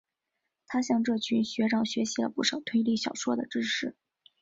他向这群学长学习了不少推理小说的知识。